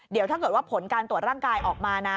เดี๋ยวถ้าเกิดว่าผลการตรวจร่างกายออกมานะ